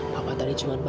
papa tadi cuma menikah